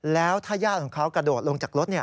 แล้วถ้าญาติของเขากระโดดลงจากรถ